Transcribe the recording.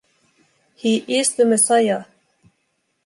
He is the Messias!